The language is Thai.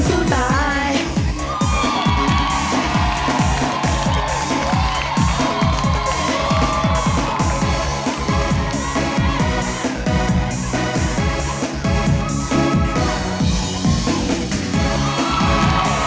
เสียบรรยาภาพ